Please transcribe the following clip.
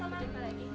sampai jumpa lagi